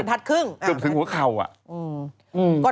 บรรทัดครึ่งเกือบถึงหัวเข่า